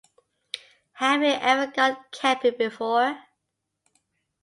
Have you ever gone camping before?